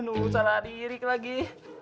loh salah diri lagi